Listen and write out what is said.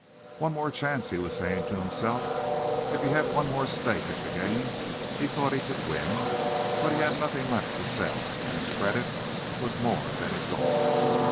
One more chance—he was saying to himself—if he had one more stake at the game, he thought he could win; but he had nothing left to sell, and his credit was more than exhausted.